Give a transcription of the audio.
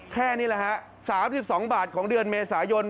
แค่นี้แหละฮะ๓๒บาทของเดือนเมษายน